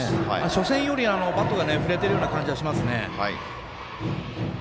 初戦より、バットが振れてるような感じはしますね。